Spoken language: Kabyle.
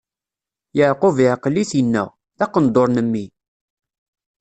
Yeɛqub iɛeql-it, inna: D aqendur n mmi!